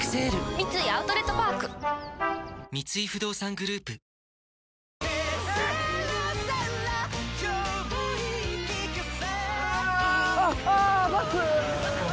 三井アウトレットパーク三井不動産グループでは閉廷します。